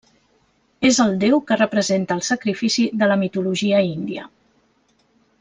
És el déu que representa el sacrifici de la mitologia índia.